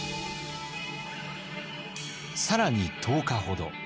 更に１０日ほど。